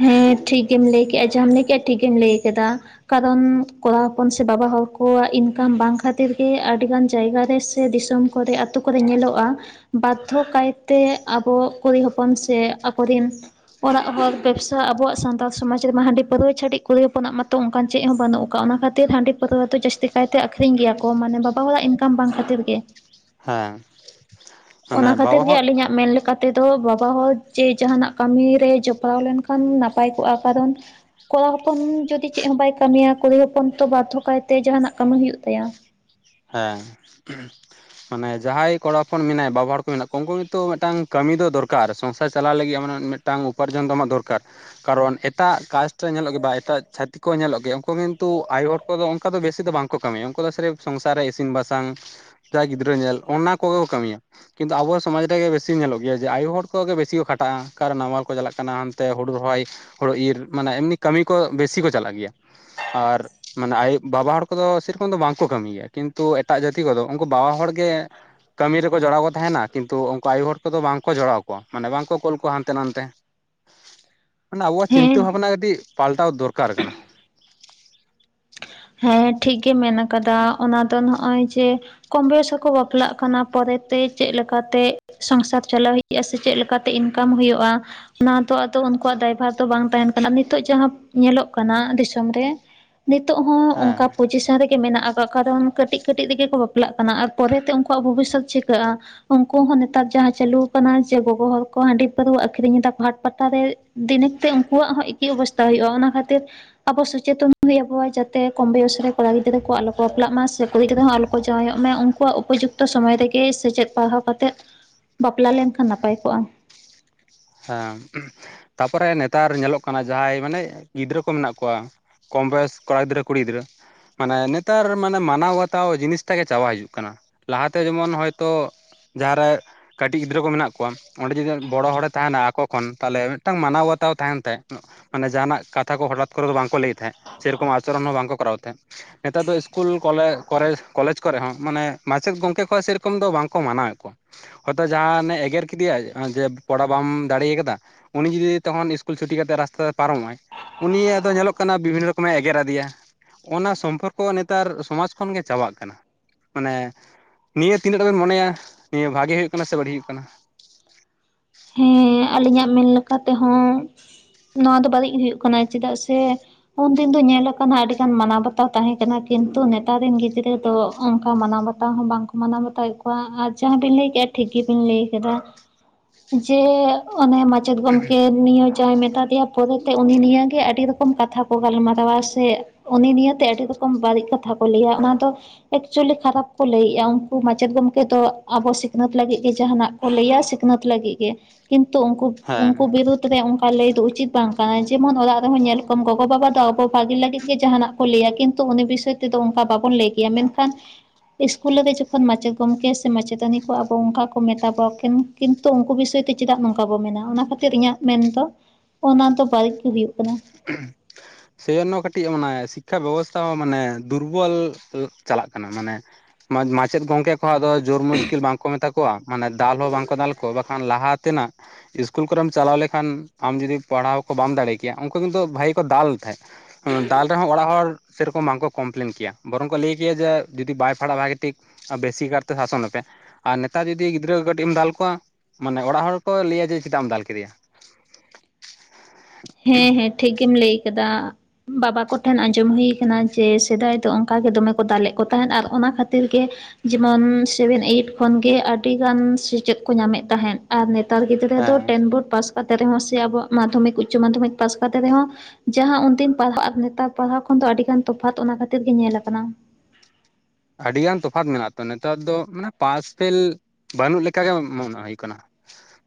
[SPEAKER 2] ᱦᱩᱸ ᱴᱷᱤᱠ ᱜᱮᱢ ᱞᱟᱹᱭ ᱠᱮᱫᱼᱟ ᱡᱟᱦᱟᱸᱢ ᱞᱟᱹᱭ ᱠᱮᱫᱼᱟ ᱴᱷᱤᱠ ᱜᱮᱢ ᱞᱟᱹᱭ ᱠᱮᱫᱟ, ᱠᱟᱨᱚᱱ ᱠᱚᱲᱟ ᱦᱚᱯᱚᱱ ᱥᱮ ᱵᱟᱵᱟ ᱦᱚᱲ ᱠᱚᱣᱟᱜ ᱤᱱᱠᱟᱢ ᱵᱟᱝ ᱠᱷᱟᱹᱛᱤᱨ ᱜᱮ ᱟᱹᱰᱤ ᱜᱟᱱ ᱡᱟᱭᱜᱟ ᱨᱮ ᱥᱮ ᱫᱤᱥᱚᱢ, ᱠᱚᱨᱮ ᱟᱛᱳ ᱠᱚᱨᱮ ᱧᱮᱞᱚᱜᱼᱟ, ᱵᱟᱫᱽᱫᱷᱚ ᱠᱟᱭᱛᱮ ᱟᱵᱚ ᱠᱩᱲᱤ ᱦᱚᱯᱚᱱ ᱥᱮ ᱟᱠᱚᱨᱮᱱ ᱚᱲᱟᱜ ᱦᱚᱲ ᱵᱮᱵᱽᱥᱟ ᱟᱵᱚᱣᱟᱜ ᱥᱟᱱᱛᱟᱲ ᱥᱚᱢᱟᱡᱽ ᱨᱮᱢᱟ ᱦᱟᱺᱰᱤ ᱯᱟᱹᱨᱣᱟᱹ ᱪᱷᱟᱹᱴᱤᱡ ᱠᱩᱲᱤ ᱦᱚᱯᱚᱱᱟᱜ ᱢᱟᱛᱚ ᱚᱱᱠᱟᱱ ᱪᱮᱫ ᱦᱚᱸ ᱵᱟᱹᱱᱩᱜ ᱟᱠᱟᱜᱼᱟ ᱚᱱᱟ ᱠᱷᱟᱹᱛᱤᱨ ᱦᱟᱺᱰᱤ ᱯᱟᱹᱨᱣᱟᱹ ᱫᱚ ᱡᱟᱹᱥᱛᱤ ᱠᱟᱭᱛᱮ ᱟᱹᱠᱷᱨᱤᱧ ᱜᱮᱭᱟ ᱠᱚ ᱢᱟᱱᱮ ᱵᱟᱵᱟ ᱦᱚᱲᱟᱜ ᱤᱱᱠᱟᱢ ᱵᱟᱝ ᱠᱷᱟᱹᱛᱤᱨ ᱜᱮ,
[SPEAKER 1] ᱦᱮᱸ ᱢᱟᱱᱮ
[SPEAKER 2] ᱚᱱᱟ ᱠᱷᱟᱹᱛᱤᱨ
[SPEAKER 1] ᱵᱟᱵᱟ
[SPEAKER 2] ᱜᱮ
[SPEAKER 1] ᱦᱚᱲ
[SPEAKER 2] ᱟᱹᱞᱤᱧᱟᱜ ᱢᱮᱱ ᱞᱮᱠᱟ ᱛᱮᱫᱚ ᱵᱟᱵᱟ ᱦᱚᱲ ᱡᱮ ᱡᱟᱦᱟᱱᱟᱜ ᱠᱟᱹᱢᱤ ᱨᱮ ᱡᱚᱯᱲᱟᱣ ᱞᱮᱱᱠᱷᱟᱱ ᱱᱟᱯᱟᱭ ᱠᱚᱜᱼᱟ ᱠᱟᱨᱚᱱ ᱠᱚᱲᱟ ᱦᱚᱯᱚᱱ ᱡᱩᱫᱤ ᱪᱮᱫ ᱦᱚᱸ ᱵᱟᱭ ᱠᱟᱹᱢᱤᱭᱟ ᱠᱩᱲᱤ ᱦᱚᱯᱚᱱ ᱛᱚ ᱵᱟᱫᱽᱫᱷᱚ ᱠᱟᱭᱛᱮ ᱡᱟᱦᱟᱱᱟᱜ ᱠᱟᱹᱢᱤ ᱦᱩᱭᱩᱜ ᱛᱟᱭᱟ,
[SPEAKER 1] ᱦᱮᱸ ᱢᱟᱱᱮ ᱡᱟᱦᱟᱸᱭ ᱠᱚᱲᱟ ᱦᱚᱯᱚᱱ ᱢᱮᱱᱟᱭ ᱵᱟᱵᱟ ᱦᱚᱲ ᱠᱚ ᱢᱮᱱᱟᱜ ᱠᱚ ᱩᱱᱠᱩ ᱱᱤᱛᱚᱜ ᱢᱤᱫᱴᱟᱝ ᱠᱟᱹᱢᱤ ᱫᱚ ᱫᱚᱨᱠᱟᱨ ᱥᱚᱝᱥᱟᱨ ᱪᱟᱞᱟᱣ ᱞᱟᱹᱜᱤᱫ ᱢᱤᱫ ᱢᱤᱫᱴᱟᱝ ᱩᱯᱟᱨᱡᱚᱱ ᱫᱚ ᱟᱢᱟᱜ ᱫᱚᱨᱠᱟᱨ, ᱠᱟᱨᱚᱱ ᱮᱴᱟᱜ ᱠᱟᱥᱴ ᱨᱮ ᱧᱮᱞᱚᱜ ᱜᱮ ᱵᱟ ᱮᱴᱟᱜ ᱪᱷᱟᱹᱛᱤᱠ ᱠᱚ ᱧᱮᱞᱚᱜ ᱜᱮ ᱩᱱᱠᱩ ᱠᱤᱱᱛᱩ ᱟᱭᱳ ᱦᱚᱲ ᱩᱱᱠᱩ ᱫᱚ ᱚᱱᱠᱟ ᱫᱚ ᱵᱮᱥᱤ ᱫᱚ ᱵᱟᱝᱠᱚ ᱠᱟᱹᱢᱤᱭᱟ ᱩᱱᱠᱩ ᱫᱚ ᱥᱟᱹᱨᱤ ᱥᱚᱝᱥᱟᱨ ᱨᱮ ᱤᱥᱤᱱ ᱵᱟᱥᱟᱝ, ᱡᱟ ᱜᱤᱫᱽᱨᱟᱹ ᱧᱮᱞ ᱚᱱᱟ ᱠᱚᱜᱮ ᱠᱚ ᱠᱟᱹᱢᱤᱭᱟ, ᱠᱤᱱᱛᱩ ᱟᱵᱚᱣᱟᱜ ᱥᱚᱢᱟᱡᱽ ᱨᱮᱜᱮ ᱵᱮᱥᱤ ᱧᱮᱞᱚᱜ ᱜᱮᱭᱟ ᱡᱮ ᱟᱭᱳ ᱦᱚᱲ ᱠᱚᱜᱮ ᱵᱮᱥᱤ ᱠᱚ ᱠᱷᱟᱴᱟᱜᱼᱟ ᱠᱟᱨᱚᱱ ᱱᱟᱢᱟᱞ ᱠᱚ ᱪᱟᱞᱟᱜ ᱠᱟᱱᱟ ᱦᱟᱱᱛᱮ ᱦᱩᱲᱩ ᱨᱚᱦᱚᱭ ᱦᱳᱲᱳ ᱤᱨ ᱢᱟᱱᱮ ᱮᱢᱱᱤ ᱠᱟᱹᱢᱤ ᱠᱚ ᱵᱮᱥᱤ ᱠᱚ ᱪᱟᱞᱟᱜ ᱜᱮᱭᱟ, ᱟᱨ ᱢᱟᱱᱮ ᱟᱭᱩ ᱵᱟᱵᱟ ᱦᱚᱲ ᱠᱚᱫᱚ ᱥᱮ ᱨᱚᱠᱚᱢ ᱫᱚ ᱵᱟᱝ, ᱠᱚ ᱠᱟᱹᱢᱤᱭ ᱜᱮᱭᱟ ᱠᱤᱱᱛᱩ ᱮᱴᱟᱜ ᱡᱟᱹᱛᱤ ᱠᱚᱫᱚ ᱩᱱᱠᱩ ᱵᱟᱵᱟ ᱦᱚᱲ ᱜᱮ ᱠᱟᱹᱢᱤ ᱨᱮᱠᱚ ᱡᱚᱲᱟᱣ ᱠᱚ ᱛᱟᱦᱮᱱᱟ ᱠᱤᱱᱛᱩ ᱩᱱᱠᱩ ᱟᱭᱳ ᱦᱚᱲ ᱠᱚᱫᱚ ᱵᱟᱝᱠᱚ ᱡᱚᱲᱟᱣ ᱠᱚᱣᱟ ᱢᱟᱱᱮ ᱵᱟᱝᱠᱚ ᱠᱩᱞ ᱠᱚᱣᱟ ᱦᱟᱱᱛᱮ ᱱᱟᱱᱛᱮ, ᱢᱟᱱᱮ ᱟᱵᱚᱣᱟᱜ ᱪᱤᱱᱛᱟᱹ
[SPEAKER 2] ᱦᱮᱸ
[SPEAKER 1] ᱵᱷᱟᱵᱱᱟ ᱠᱟᱹᱴᱤᱡ ᱯᱟᱞᱴᱟᱣ ᱫᱚᱨᱠᱟᱨ ᱠᱟᱱᱟ,
[SPEAKER 2] ᱦᱮᱸ ᱴᱷᱤᱠ ᱜᱮ ᱢᱮᱱ ᱟᱠᱟᱫᱟ ᱚᱱᱟ ᱫᱚ ᱱᱚᱜᱼᱚᱭ ᱡᱮ, ᱠᱚᱢ ᱵᱚᱭᱚᱥ ᱨᱮᱠᱚ ᱵᱟᱯᱞᱟᱜ ᱠᱟᱱᱟ ᱯᱚᱨᱮ ᱛᱮ ᱪᱮᱫ ᱞᱮᱠᱟ ᱛᱮ, ᱥᱚᱝᱥᱟᱨ ᱪᱟᱞᱟᱣ ᱦᱩᱭᱩᱜᱼᱟ ᱥᱮ ᱪᱮᱫ ᱞᱮᱠᱟ ᱛᱮ ᱤᱱᱠᱟᱢ ᱦᱩᱭᱩᱜᱼᱟ? ᱚᱱᱟ ᱫᱚ ᱟᱫᱚ ᱩᱱᱠᱩᱣᱟᱜ ᱫᱟᱭᱵᱷᱟᱨ ᱫᱚ ᱵᱟᱝ ᱛᱟᱦᱮᱱ ᱠᱟᱱᱟ᱾ ᱱᱤᱛᱚᱜ ᱡᱟᱦᱟᱸ ᱧᱮᱞᱚᱜ ᱠᱟᱱᱟ ᱫᱤᱥᱚᱢ ᱨᱮ ᱱᱤᱛᱚᱜ ᱦᱚᱸ
[SPEAKER 1] ᱦᱮᱸ
[SPEAKER 2] ᱚᱱᱠᱟ ᱯᱚᱡᱤᱥᱚᱱ ᱨᱮᱜᱮ ᱢᱮᱱᱟᱜ ᱟᱠᱟᱫ ᱠᱟᱨᱚᱱ ᱠᱟᱹᱴᱤᱡ-ᱠᱟᱹᱴᱤᱡ ᱨᱮᱜᱮ ᱠᱚ ᱵᱟᱯᱞᱟᱜ ᱠᱟᱱᱟ ᱟᱨ ᱯᱚᱨᱮ ᱛᱮ ᱩᱱᱠᱩᱣᱟᱜ ᱵᱷᱚᱵᱤᱥᱥᱚᱛ ᱪᱤᱠᱟᱹᱜᱼᱟ? ᱩᱱᱠᱩ ᱦᱚᱸ ᱱᱮᱛᱟᱨ ᱡᱟᱦᱟᱸ ᱪᱟᱞᱩ ᱟᱠᱟᱱᱟ ᱡᱮ ᱜᱚᱜᱚ ᱦᱚᱲ ᱠᱚ ᱦᱟᱺᱰᱤ- ᱯᱟᱹᱣᱨᱟᱹ ᱟᱹᱠᱷᱚᱨᱤᱧ ᱮᱫᱟ ᱠᱚ ᱦᱟᱴ ᱯᱟᱛᱟ ᱨᱮ ᱫᱤᱱᱮ ᱛᱮ ᱩᱱᱠᱩᱣᱟᱜ ᱦᱚᱸ ᱮᱠᱤ ᱚᱵᱚᱥᱛᱟ ᱦᱩᱭᱩᱜᱼᱟ᱾ ᱚᱱᱟ ᱠᱷᱟᱹᱛᱤᱨ ᱟᱵᱚ ᱥᱚᱪᱮᱛᱚᱱ ᱦᱩᱭ ᱟᱵᱚᱣᱟ᱾ ᱡᱟᱛᱮ ᱠᱚᱢ ᱵᱚᱭᱚᱥ ᱨᱮ ᱠᱚᱲᱟ ᱜᱤᱫᱽᱨᱟᱹ ᱠᱚ ᱟᱞᱚ ᱠᱚ ᱵᱟᱯᱞᱟᱜ ᱢᱟ ᱥᱮ ᱠᱩᱲᱤ ᱜᱤᱫᱽᱨᱟᱹ ᱦᱚᱸ ᱟᱞᱚ ᱠᱚ ᱡᱟᱶᱟᱭᱚᱜ ᱢᱟ, ᱩᱱᱠᱩ ᱩᱯᱚᱡᱩᱠᱛᱤ ᱡᱚᱛᱚ ᱥᱚᱢᱚᱭ ᱨᱮᱜᱮ ᱥᱮᱪᱮᱫ ᱯᱟᱲᱦᱟᱣ ᱠᱟᱛᱮᱜ ᱵᱟᱯᱞᱟ ᱞᱮᱱᱠᱷᱟᱱ ᱱᱟᱯᱟᱭ ᱠᱚᱜᱼᱟ᱾
[SPEAKER 1] ᱦᱮᱸ ᱛᱟᱯᱚᱨᱮ ᱱᱮᱛᱟᱨ ᱧᱮᱞᱚᱜ ᱠᱟᱱᱟ, ᱡᱟᱦᱟᱸᱭ ᱢᱟᱱᱮ ᱜᱤᱫᱽᱨᱟᱹ ᱠᱚ ᱢᱮᱱᱟᱜ ᱠᱚᱣᱟ᱾ ᱠᱚᱢ ᱵᱚᱭᱮᱥ ᱠᱚᱲᱟ ᱜᱤᱫᱽᱨᱟᱹ ᱠᱩᱲᱤ ᱜᱤᱫᱽᱨᱟᱹ ᱢᱟᱱᱮ ᱱᱮᱛᱟᱨ ᱢᱟᱱᱮ ᱢᱟᱱᱟᱣ ᱵᱟᱛᱟᱣ ᱡᱤᱱᱤᱥ ᱴᱟᱜ ᱜᱮ ᱪᱟᱵᱟ ᱦᱤᱡᱩᱜ ᱠᱟᱱᱟ᱾ ᱞᱟᱦᱟᱛᱮ ᱡᱮᱢᱚᱱ ᱦᱚᱭᱛᱚ ᱡᱟᱦᱟᱸ ᱨᱮ ᱠᱟᱹᱴᱤᱡ ᱜᱤᱫᱽᱨᱟᱹ ᱠᱚ ᱢᱮᱱᱟᱜ ᱠᱚᱣᱟ, ᱚᱸᱰᱮ ᱡᱩᱫᱤ ᱵᱚᱲᱚ ᱦᱚᱲᱮ ᱛᱟᱦᱮᱱᱟ ᱟᱠᱚ ᱠᱷᱚᱱ ᱛᱟᱦᱚᱞᱮ ᱢᱤᱫᱴᱟᱝ ᱢᱟᱱᱟᱣ ᱵᱟᱛᱟᱣ ᱛᱟᱦᱮᱱ ᱛᱮ, ᱢᱟᱱᱮ ᱡᱟᱦᱟᱱᱟᱜ ᱠᱟᱛᱷᱟ ᱠᱚ ᱦᱚᱛᱟᱴ ᱠᱚᱨᱮ ᱫᱚ ᱵᱟᱝ ᱠᱚ ᱞᱟᱹᱭᱟ᱾ ᱛᱟᱦᱮᱸᱜ ᱥᱮᱨᱚᱠᱚᱢ ᱟᱹᱛᱩ ᱨᱮᱱ ᱦᱚᱸ ᱵᱟᱝ ᱠᱚ ᱠᱚᱨᱟᱣᱮᱫ ᱛᱟᱦᱮᱸ᱾ ᱱᱮᱛᱟᱨ ᱫᱚ ᱤᱥᱠᱩᱞ ᱠᱚᱞᱮᱡᱽ ᱠᱚᱨᱮ ᱦᱚᱸ ᱢᱟᱱᱮ ᱢᱟᱪᱮᱫ ᱜᱚᱝᱠᱮ ᱠᱚ ᱥᱮ ᱥᱤᱨᱤᱯ ᱚᱭᱨᱚᱠᱚᱢ ᱫᱚ ᱵᱟᱝ ᱠᱚ ᱢᱟᱱᱟᱣᱮᱫ ᱠᱚᱣᱟ᱾ ᱦᱚᱭᱛᱳ ᱡᱟᱦᱟᱱᱮ ᱮᱜᱮᱨ ᱠᱮᱫ ᱮᱭᱟ ᱡᱮ ᱠᱚᱲᱟ ᱵᱟᱢ ᱫᱟᱲᱮ ᱟᱠᱟᱫᱟ, ᱩᱱᱤ ᱡᱩᱫᱤ ᱛᱚᱠᱷᱚᱱ ᱤᱥᱠᱩᱞ ᱪᱷᱩᱴᱤ ᱠᱟᱛᱮ ᱨᱟᱥᱛᱟ ᱛᱮ ᱯᱟᱨᱚᱢᱚᱜᱼᱟᱭ ᱩᱱᱤ ᱟᱫᱚ ᱧᱮᱞᱚᱜ ᱠᱟᱱᱟ ᱵᱤᱵᱷᱤᱱᱱᱚ ᱨᱚᱠᱚᱢᱮ ᱮᱜᱮᱨ ᱟᱫᱮᱭᱟ᱾ ᱚᱱᱟ ᱥᱚᱢᱯᱚᱨᱠᱚ ᱱᱮᱛᱟᱨ ᱥᱚᱢᱟᱡᱽ ᱠᱷᱚᱱ ᱜᱮ ᱪᱟᱵᱟᱜ ᱠᱟᱱᱟ᱾ ᱢᱟᱱᱮ ᱱᱤᱭᱟᱹ ᱛᱤᱱᱟᱹᱜ ᱴᱟᱜ ᱵᱮᱱ ᱢᱚᱱᱮᱭᱟ ᱱᱤᱭᱟᱹ ᱵᱷᱟᱜᱮ ᱦᱩᱭᱩᱜ ᱠᱟᱱᱟ ᱥᱮ ᱵᱟᱹᱲᱤᱡ ᱦᱩᱭᱩᱜ ᱠᱟᱱᱟ?
[SPEAKER 2] ᱦᱮᱸ ᱟᱹᱞᱤᱧᱟᱜ ᱢᱮᱱ ᱞᱮᱠᱟ ᱛᱮᱦᱚᱸ ᱱᱚᱣᱟ ᱫᱚ ᱵᱟᱲᱤᱡ ᱦᱩᱭᱩᱜ ᱠᱟᱱᱟ, ᱪᱮᱫᱟᱜ ᱥᱮ ᱩᱱ ᱫᱤᱱ ᱫᱚ ᱧᱮᱞ ᱟᱠᱟᱱᱟ, ᱟᱹᱰᱤᱜᱟᱱ ᱢᱟᱱᱟᱣ ᱵᱟᱛᱟᱣ ᱛᱟᱦᱮᱸ ᱠᱟᱱᱟ ᱠᱤᱱᱛᱩ ᱱᱮᱛᱟᱨ ᱨᱮᱱ ᱜᱤᱫᱽᱨᱟᱹ ᱫᱚ ᱚᱱᱠᱟ ᱢᱟᱱᱟᱣ ᱵᱟᱛᱟᱣ ᱦᱚᱸ ᱵᱟᱝ ᱠᱚ ᱢᱟᱱᱟᱣ ᱵᱟᱛᱟᱣᱮᱫ ᱠᱚᱣᱟ ᱟᱨ ᱡᱟᱦᱟᱸ ᱵᱤᱱ ᱞᱟᱹᱭ ᱠᱮᱫᱼᱟ᱾ ᱴᱷᱤᱠ ᱜᱮ ᱵᱤᱱ ᱞᱟᱹᱭ ᱠᱮᱫᱟ᱾ ᱡᱮ ᱚᱱᱮ ᱢᱟᱪᱮᱫ ᱜᱚᱝᱠᱮ ᱱᱤᱭᱟᱹ ᱡᱟᱦᱟᱸᱭ ᱢᱮᱛᱟ ᱫᱮᱭᱟ ᱯᱚᱨᱮ ᱛᱮ ᱩᱱᱤ ᱱᱤᱭᱟᱹ ᱜᱮ ᱟᱹᱰᱤ ᱨᱚᱠᱚᱢ ᱠᱟᱛᱷᱟ ᱠᱚ ᱜᱟᱞᱢᱟᱨᱟᱣᱟ ᱥᱮ ᱩᱱᱤ ᱱᱤᱭᱮ ᱛᱮ ᱟᱹᱰᱤ ᱨᱚᱠᱚᱢ ᱵᱟᱹᱲᱤᱡ ᱠᱟᱛᱷᱟ ᱠᱚ ᱞᱟᱹᱭᱟ ᱚᱱᱟ ᱫᱚ ᱮᱠᱪᱩᱞᱤ ᱠᱷᱟᱨᱟᱯ ᱠᱚ ᱞᱟᱹᱭᱮᱜᱼᱟ ᱩᱱᱠᱩ ᱢᱟᱪᱮᱫ ᱜᱚᱢᱠᱮ ᱫᱚ ᱟᱵᱚ ᱥᱤᱠᱷᱱᱟᱹᱛ ᱞᱟᱹᱜᱤᱫ ᱜᱮ ᱡᱟᱦᱟᱱᱟᱜ ᱠᱚ ᱞᱟᱹᱭᱟ ᱥᱤᱠᱷᱱᱟᱹᱛ ᱞᱟᱹᱜᱤᱫ ᱜᱮ ᱠᱤᱱᱛᱩ
[SPEAKER 1] ᱦᱮᱸ
[SPEAKER 2] ᱩᱱᱠᱩ ᱵᱤᱨᱩᱫ ᱨᱮ ᱚᱱᱠᱟ ᱞᱟᱹᱭ ᱫᱚ ᱩᱪᱤᱛ ᱵᱟᱝ ᱠᱟᱱᱟ᱾ ᱡᱮᱢᱚᱱ ᱚᱲᱟᱜ ᱨᱮᱦᱚᱸ ᱧᱮᱞ ᱠᱚᱢ ᱜᱚᱜᱚ-ᱵᱟᱵᱟ ᱫᱚ ᱟᱵᱚ ᱵᱷᱟᱹᱜᱤ ᱞᱟᱹᱜᱤᱫ ᱜᱮ ᱡᱟᱦᱟᱱᱟᱜ ᱞᱟᱹᱭᱟ ᱠᱤᱱᱛᱩ ᱩᱱᱤ ᱵᱤᱥᱚᱭ ᱛᱮᱫᱚ ᱚᱱᱠᱟ ᱵᱟᱵᱚᱱ ᱞᱟᱹᱭ ᱠᱮᱭᱟ᱾ ᱢᱮᱱᱠᱷᱟᱱ ᱤᱥᱠᱩᱞ ᱞᱟᱹᱜᱤᱫ ᱡᱚᱠᱷᱚᱱ ᱢᱟᱪᱮᱫ ᱜᱚᱢᱠᱮ ᱥᱮ ᱢᱟᱪᱮᱛᱟᱹᱱᱤ ᱠᱚ ᱟᱵᱚ ᱚᱱᱠᱟ ᱠᱚ ᱢᱮᱛᱟ ᱵᱚᱱᱟ ᱠᱤᱱ ᱠᱤᱱᱛᱩ ᱩᱱᱠᱩ ᱵᱤᱥᱚᱭ ᱛᱮ ᱪᱮᱫᱟᱜ ᱱᱚᱝᱠᱟ ᱵᱚ ᱢᱮᱱᱟ᱾ ᱚᱱᱟ ᱠᱷᱟᱹᱛᱤᱨ ᱤᱧᱟᱹᱜ ᱢᱮᱱ ᱫᱚ ᱚᱱᱟ ᱫᱚ ᱵᱟᱹᱲᱤᱡ ᱜᱮ ᱦᱩᱭᱩᱜ ᱠᱟᱱᱟ᱾
[SPEAKER 1] ᱦᱮᱸ᱾ ᱥᱮᱭ ᱡᱚᱱᱱᱚ ᱠᱟᱹᱴᱤᱡ ᱢᱟᱱᱮ ᱥᱤᱠᱠᱷᱟ ᱵᱮᱵᱚᱥᱛᱷᱟ ᱦᱚᱸ, ᱢᱟᱱᱮ ᱫᱩᱨᱵᱚᱞ ᱪᱟᱞᱟᱜ ᱠᱟᱱᱟ᱾ ᱢᱟᱱᱮ ᱢᱟᱪᱮᱫ ᱜᱚᱝᱠᱮ ᱠᱚᱦᱚᱸ ᱟᱫᱚ ᱡᱳᱨ ᱢᱩᱥᱠᱤᱞ ᱵᱟᱝᱠᱚ ᱢᱮᱛᱟ ᱠᱚᱣᱟ ᱢᱟᱱᱮ ᱫᱟᱞ ᱦᱚᱸ ᱵᱟᱝ ᱠᱚ ᱫᱟᱞ ᱠᱚᱣᱟ᱾ ᱵᱟᱠᱷᱟᱱ ᱞᱟᱦᱟ ᱛᱮᱱᱟᱜ ᱤᱥᱠᱩᱞ ᱠᱚᱨᱮᱢ ᱪᱟᱞᱟᱣ ᱞᱮᱱᱠᱷᱟᱱ ᱟᱢ ᱡᱩᱫᱤ ᱯᱟᱲᱦᱟᱣ ᱠᱚ ᱵᱟᱢ ᱫᱟᱲᱮᱭᱟᱜ ᱠᱮᱭᱟ᱾ ᱠᱤᱱᱛᱩ ᱵᱷᱟᱹᱜᱮ ᱠᱚ ᱫᱟᱞ ᱛᱟᱦᱮᱸᱫ ᱫᱟᱞ ᱨᱮᱦᱚᱸ ᱚᱲᱟᱜ ᱦᱚᱲ ᱥᱮᱨᱚᱠᱚᱢ ᱵᱟᱝᱠᱚ ᱠᱚᱢᱯᱞᱮᱱ ᱠᱮᱭᱟ ᱵᱚᱨᱚᱝ ᱠᱚ ᱞᱟᱹᱭ ᱠᱮᱭᱟ ᱡᱮ ᱡᱩᱫᱤ ᱵᱟᱭ ᱯᱷᱟᱲᱟᱜ ᱵᱷᱟᱜᱮ ᱴᱷᱤᱠ ᱟᱨ ᱵᱮᱥᱤ ᱠᱟᱨ ᱛᱮ ᱥᱟᱥᱚᱱᱮᱯᱮ᱾ ᱟᱨ ᱱᱮᱛᱟᱨ ᱡᱩᱫᱤ ᱜᱤᱫᱽᱨᱟᱹ ᱠᱟᱹᱴᱤᱡ ᱮᱢ ᱫᱟᱞ ᱠᱚᱣᱟ᱾ ᱢᱟᱱᱮ ᱚᱲᱟᱜ ᱦᱚᱲ ᱠᱚ ᱞᱟᱹᱭᱟ ᱡᱮ ᱪᱮᱫᱟᱜ ᱮᱢ ᱫᱟᱞ ᱠᱮᱫᱮᱭᱟ?
[SPEAKER 2] ᱦᱮᱸ ᱦᱮᱸ, ᱴᱷᱤᱠ ᱜᱮᱢ ᱞᱟᱹᱭ ᱟᱠᱟᱫᱟ᱾ ᱵᱟᱵᱟ ᱠᱚᱴᱷᱮᱱ ᱟᱸᱡᱚᱢ ᱦᱩᱭ ᱟᱠᱟᱱᱟ ᱡᱮ ᱥᱮᱫᱟᱭ ᱫᱚ ᱚᱱᱠᱟ ᱜᱮ ᱫᱚᱢᱮ ᱠᱚ ᱫᱟᱞᱮᱫ ᱠᱚ ᱛᱟᱦᱮᱸᱫ ᱟᱨ ᱚᱱᱟ ᱠᱷᱟᱹᱛᱤᱨ ᱜᱮ ᱡᱮᱢᱚᱱ ᱥᱮᱵᱷᱮᱱ ᱮᱭᱤᱴ ᱠᱷᱚᱱ ᱜᱮ ᱟᱹᱰᱤ ᱜᱟᱱ ᱥᱮᱪᱮᱫ ᱠᱚ ᱧᱟᱢᱮᱫ ᱛᱟᱦᱮᱸᱫ᱾ ᱟᱨ ᱱᱮᱛᱟᱨ ᱜᱤᱫᱽᱨᱟᱹ ᱫᱚ
[SPEAKER 1] ᱦᱮᱸ
[SPEAKER 2] ᱴᱮᱱ ᱵᱳᱨᱰ ᱯᱟᱥ ᱠᱟᱛᱮ ᱨᱮᱦᱚᱸ ᱥᱮ ᱟᱵᱚᱣᱟᱜ ᱢᱟᱫᱽᱫᱷᱚᱢᱤᱠ ᱩᱪᱪᱚ ᱢᱟᱫᱽᱫᱷᱚᱢᱤᱠ ᱯᱟᱥ ᱠᱟᱛᱮ ᱨᱮᱦᱚᱸ ᱡᱟᱦᱟᱸ ᱩᱱᱫᱤᱱ ᱯᱟᱲᱦᱟ (unintelligible) ᱟᱨ ᱱᱮᱛᱟᱨ ᱯᱟᱲᱦᱟᱣ ᱠᱷᱚᱱ ᱫᱚ ᱟᱹᱰᱤᱜᱟᱱ ᱛᱚᱯᱷᱟᱛ ᱚᱱᱟ ᱠᱷᱟᱹᱛᱤᱨ ᱜᱮ ᱧᱮᱞ ᱟᱠᱟᱱᱟ᱾
[SPEAKER 1] ᱟᱰᱤᱜᱟᱱ ᱛᱚᱯᱷᱟᱛ ᱢᱮᱱᱟᱜᱼᱟ ᱛᱚ, ᱱᱮᱛᱟᱨ ᱫᱚ ᱢᱟᱱᱮ ᱯᱟᱥ ᱯᱷᱮᱞ ᱵᱟᱱᱩᱜ ᱞᱮᱠᱟ ᱜᱮ (inaudible) ᱦᱩᱭᱩᱜ ᱠᱟᱱᱟ᱾